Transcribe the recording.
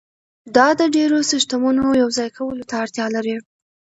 دا د ډیرو سیستمونو یوځای کولو ته اړتیا لري